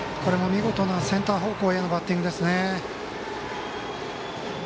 見事なセンター方向へのバッティングですね。